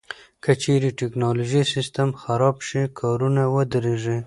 که چیرې د ټکنالوژۍ سیستم خراب شي، کارونه ودریږي.